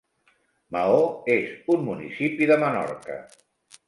Maó és un municipi de Menorca.